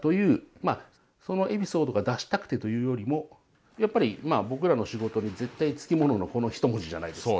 まあそのエピソードが出したくてというよりもやっぱりまあ僕らの仕事に絶対付き物のこの一文字じゃないですか。